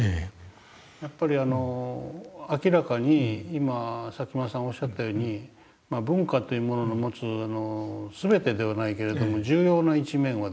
やっぱり明らかに今佐喜眞さんおっしゃったように文化というものの持つ全てではないけれども重要な一面はですね